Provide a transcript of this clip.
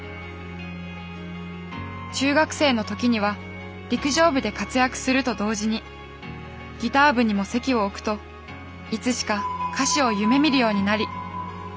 中学生の時には陸上部で活躍すると同時にギター部にも籍を置くといつしか歌手を夢みるようになり。